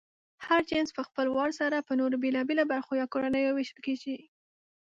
هر جنس پهخپل وار سره په نورو بېلابېلو برخو یا کورنیو وېشل کېږي.